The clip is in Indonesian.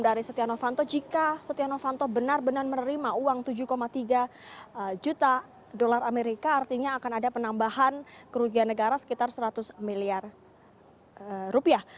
dari setia novanto jika setia novanto benar benar menerima uang tujuh tiga juta dolar amerika artinya akan ada penambahan kerugian negara sekitar seratus miliar rupiah